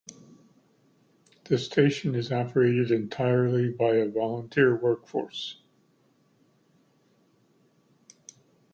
The station is operated entirely by a volunteer workforce.